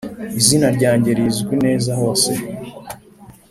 izina ryange rizwi neza hose.